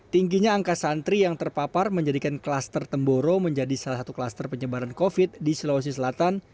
tingginya angka santri yang terpapar menjadikan kluster temboro menjadi salah satu kluster penyebaran covid di sulawesi selatan